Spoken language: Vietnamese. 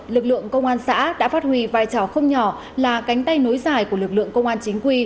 lực lượng công an xã đã phát huy vai trò không nhỏ là cánh tay nối dài của lực lượng công an chính quy